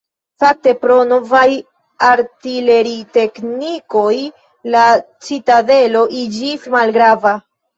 Fakte pro novaj artileriteknikoj la citadelo iĝis malgrava.